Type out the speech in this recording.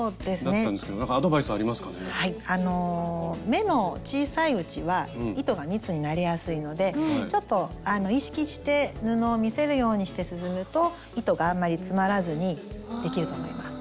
目の小さいうちは糸が密になりやすいのでちょっと意識して布を見せるようにして進むと糸があんまり詰まらずにできると思います。